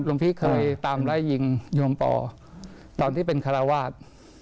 พี่เคยตามไล่ยิงโยมปอตอนที่เป็นคาราวาส